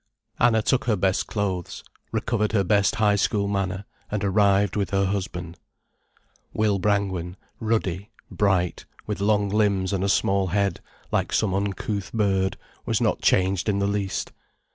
Anna took her best clothes, recovered her best high school manner, and arrived with her husband. Will Brangwen, ruddy, bright, with long limbs and a small head, like some uncouth bird, was not changed in the least.